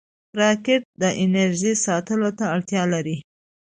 راکټ د انرژۍ ساتلو ته اړتیا لري